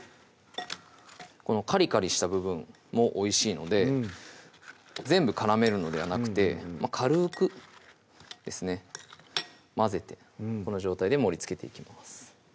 このカリカリした部分もおいしいので全部絡めるのではなくて軽くですね混ぜてこの状態で盛りつけていきます